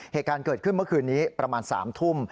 เหตุการณ์เกิดขึ้นเมื่อคืนนี้ประมาณ๓ทุ่ม